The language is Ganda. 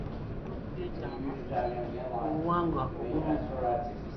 Kizira okwogera ku bitundu eby'ekyama mu buwangwa obumu.